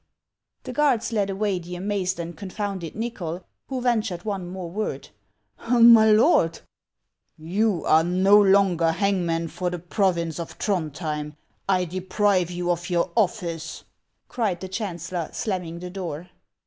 The guards led away the amazed and confounded Nychol, who ventured one word more :" My lord —"" You are no longer hangman for the province of Throndhjem ; I deprive you of your office !" cried the chancellor, slamming the door.